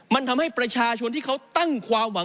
มันทำให้ประชาชนที่เขาตั้งความหวัง